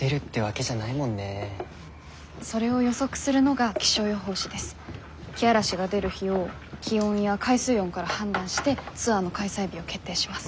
けあらしが出る日を気温や海水温から判断してツアーの開催日を決定します。